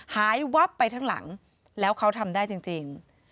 วับไปทั้งหลังแล้วเขาทำได้จริง